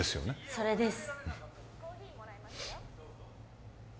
それです